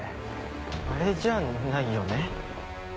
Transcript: あれじゃないよね。